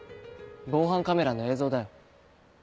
防犯カメラの映像だよ。